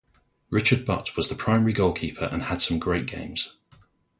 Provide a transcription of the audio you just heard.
Richard But was the primary goalkeeper and had some great games.